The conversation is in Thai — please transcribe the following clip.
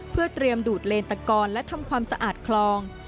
เพื่อเตรียมดูดเลนตะกอนและทำความสะอาดคลอง